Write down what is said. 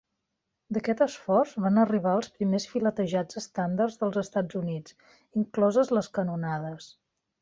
D'aquest esforç van arribar els primers filetejats estàndards dels Estats Units, incloses les canonades.